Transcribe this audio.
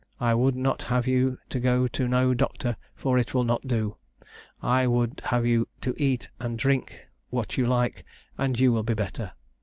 I would not have you to go to no doctor, for it will not do. I would have you to eat and drink what you like, and you will be better.